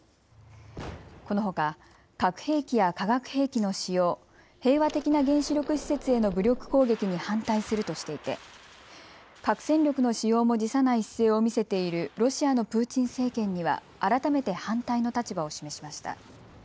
このほか核兵器や化学兵器の使用、平和的な原子力施設への武力攻撃に反対するとしていて核戦力の使用も辞さない姿勢を見せているロシアのプーチン政権には改めて反対の立場を示しました。